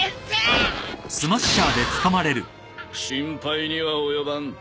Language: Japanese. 心配には及ばん。